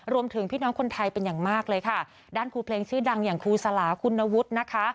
รวมถึงพี่น้องคนไทยเป็นอย่างมากเลยด้านผู้เพลงชื่อดังอย่างครูสลาคุณนวุฒิ